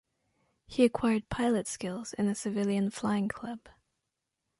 He acquired pilot skills in a civilian flying club.